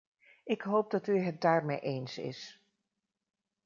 Ik hoop dat u het daarmee eens is.